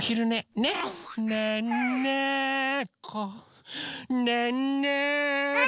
「ねんねこねんねこ」